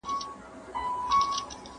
¬ گيلگى د موږي په زور غورځي.